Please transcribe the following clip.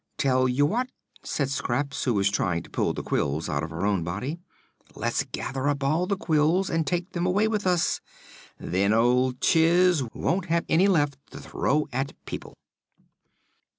"Tell you what," said Scraps, who was trying to pull the quills out of her own body, "let's gather up all the quills and take them away with us; then old Chiss won't have any left to throw at people."